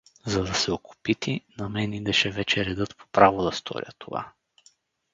За да се окопити, на мен идеше вече редът по право да сторя това.